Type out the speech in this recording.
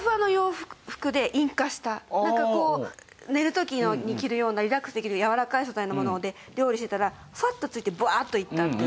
なんかこう寝る時に着るようなリラックスできるやわらかい素材のもので料理してたらフワッとついてブワッといったっていう。